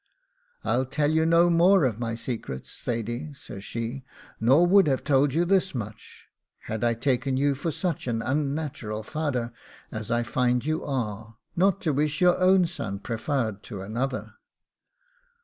'I'll tell you no more of my secrets, Thady,' says she, 'nor would have told you this much, had I taken you for such an unnatural fader as I find you are, not to wish your own son prefarred to another.